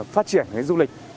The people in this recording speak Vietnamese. phát triển du lịch